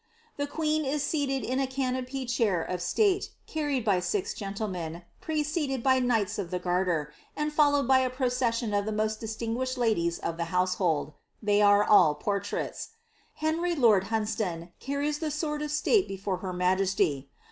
The queen is seated in a canopied chair of state, carried by six gentlemen, preceded by knights of the garter, and followed by a procession of the most dis tinguished ladies of the household — they are all portraits. Henry lord Hunsdon carries the sword of state before her majesty.